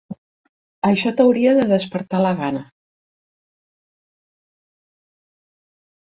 Això t'hauria de despertar la gana.